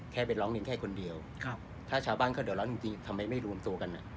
แค่เป็นร้องเรียงแค่คนเดียวครับถ้าชาวบ้านเขาเดี๋ยวแล้วจริงจริงทำไมไม่รวมตัวกันอ่ะ